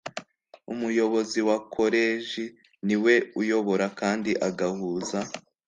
Umuyobozi wa Koleji ni we uyobora kandi agahuza